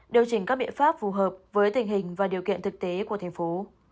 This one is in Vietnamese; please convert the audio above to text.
điều chỉnh các biện pháp phù hợp với tình hình và điều kiện thực tế của thành phố